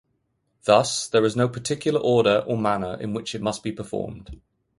Thus, there is no particular order or manner in which it must be performed.